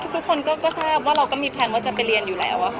ทุกคนก็ทราบว่าเราก็มีแพลนว่าจะไปเรียนอยู่แล้วค่ะ